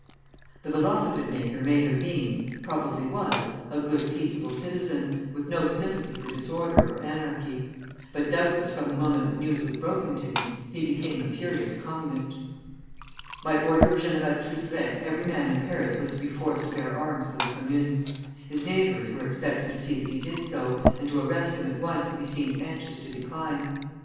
'" The velocipede maker may have been probably was a good, peaceable citizen, with no sympathy for disorder or anarchy; but doubtless from the moment that news was broken to him, he became a furious Communist. By order of General Cluseret every man in Paris was to be forced to bear arms for the Commune. His neighbors were expected to see that he did so, and to arrest him at once if he seemed anxious to decline.